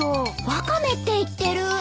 ワカメって言ってる。